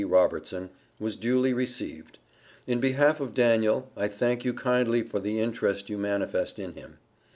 Robertson, was duly received. In behalf of Daniel, I thank you kindly for the interest you manifest in him.